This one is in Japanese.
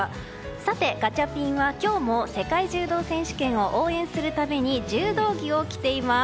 さてガチャピンは今日も世界柔道選手権を応援するために柔道着を着ています。